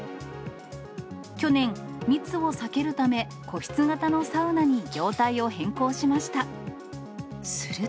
去年、密を避けるため、個室型のサウナに業態を変更しました。